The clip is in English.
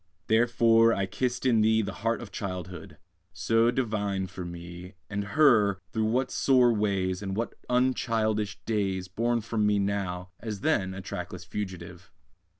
Therefore I kissed in thee The heart of Childhood, so divine for me; And her, through what sore ways, And what unchildish days, Borne from me now, as then, a trackless fugitive.